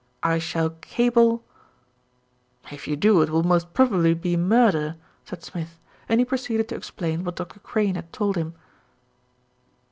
I shall cable " "If you do, it will most probably be murder," said Smith, and he proceeded to explain what Dr. Crane had told him.